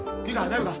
大丈夫か？